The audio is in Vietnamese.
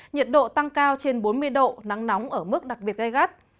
nhiệt độ tăng cao trên bốn mươi độ nắng nóng ở mức đặc biệt gai gắt